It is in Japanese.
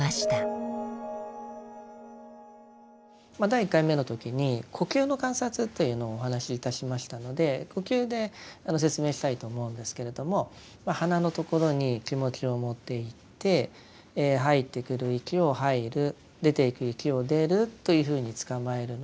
第１回目の時に呼吸の観察というのをお話しいたしましたので呼吸で説明したいと思うんですけれども鼻のところに気持ちを持っていって入ってくる息を入る出ていく息を出るというふうにつかまえるのが一番基本です。